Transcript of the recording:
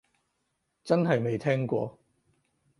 真係未聽過